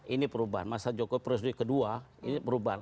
ini perubahan masa joko presidio kedua ini perubahan